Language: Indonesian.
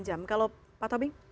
dua jam kalau pak tobing